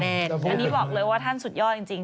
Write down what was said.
อันนี้บอกเลยว่าท่านสุดยอดจริง